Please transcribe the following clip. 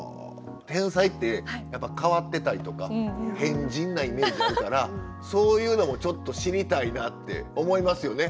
天才ってやっぱ変わってたりとか変人なイメージあるからそういうのもちょっと知りたいなって思いますよね。